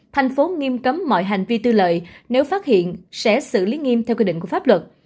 thành phố nghiêm cấm mọi hành vi tư lợi nếu phát hiện sẽ xử lý nghiêm theo quy định của pháp luật